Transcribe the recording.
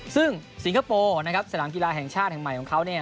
ซึ่งสิงคโปร์นะครับสนามกีฬาแห่งชาติแห่งใหม่ของเขา